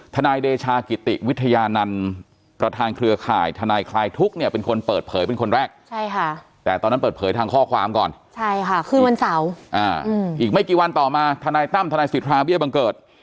ทนายเดชากิติวิทยานันต์ประธานเครือข่ายทนายคลายทุกข์เนี่ยเป็นคนเปิดเผยเป็นคนแรก